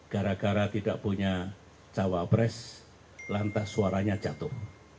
gara gara tidak punya cawapres lantas suaranya jatuh